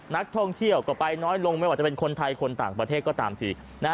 นักท่องเที่ยวก็ไปน้อยลงไม่ว่าจะเป็นคนไทยคนต่างประเทศก็ตามที